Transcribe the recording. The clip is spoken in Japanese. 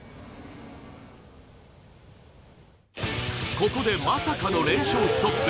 ここでまさかの連勝ストップ